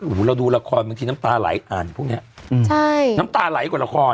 โอ้โหเราดูละครบางทีน้ำตาไหลอ่านพวกเนี้ยอืมใช่น้ำตาไหลกว่าละคร